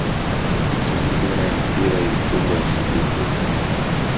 timu bora ya mpira ilifungwa usiku huo